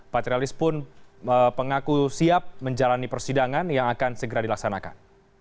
patrialis pun mengaku siap menjalani persidangan yang akan segera dilaksanakan